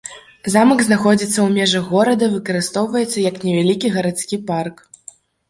Замак знаходзіцца ў межах горада, выкарыстоўваецца як невялікі гарадскі парк.